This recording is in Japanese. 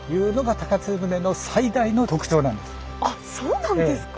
あっそうなんですか？